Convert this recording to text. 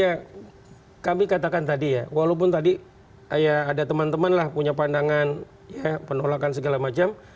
ya kami katakan tadi ya walaupun tadi ya ada teman teman lah punya pandangan ya penolakan segala macam